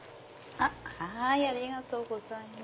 ありがとうございます。